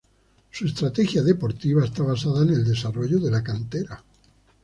Su estrategia deportiva está basada en el desarrollo de la cantera.